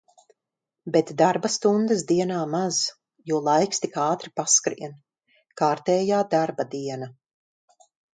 Bet darba stundas dienā maz, jo laiks tik ātri paskrien. Kārtējā darba diena.